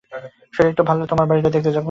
শরীর একটু ভালো হলে তোমাদের বাড়িটা দেখতে যাব।